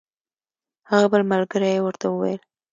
هغه بل ملګري یې ورته وویل.